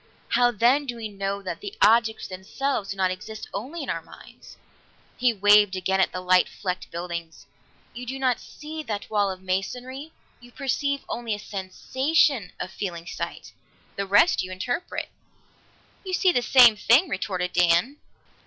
How, then, do we know that the objects themselves do not exist only in our minds?" He waved again at the light flecked buildings. "You do not see that wall of masonry; you perceive only a sensation, a feeling of sight. The rest you interpret." "You see the same thing," retorted Dan.